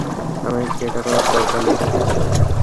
আমাদের এটা করার দরকার নেই।